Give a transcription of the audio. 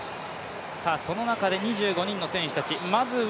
その中で２５人の選手たち。